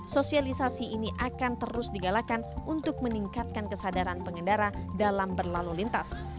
sosialisasi ini akan terus digalakan untuk meningkatkan kesadaran pengendara dalam berlalu lintas